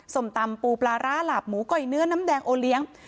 ส้มตำปูปลาร้าหลาบหมูก้อยเนื้อน้ำแดงโอเลี้ยง